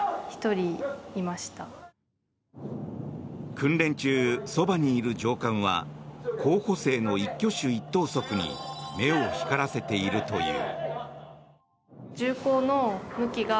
訓練中、そばにいる上官は候補生の一挙手一投足に目を光らせているという。